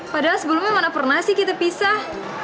padahal sebelumnya mana pernah sih kita pisah